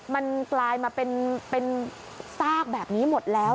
มันกลายมาเป็นซากแบบนี้หมดแล้ว